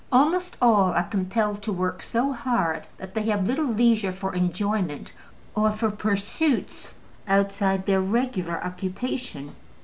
Almost all are compelled to work so hard that they have little leisure for enjoyment or for pursuits outside their regular occupation.